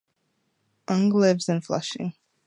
Ung lives in Flushing.